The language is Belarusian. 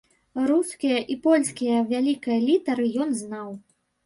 Рускія і польскія вялікія літары ён знаў.